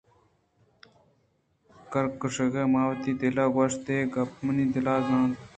کرگُشک ءَ ماں وتی دل ءَ گوٛشت اے گپّ ءَ منی دل زانت